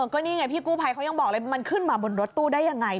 ก็นี่ไงพี่กู้ภัยเขายังบอกเลยมันขึ้นมาบนรถตู้ได้ยังไง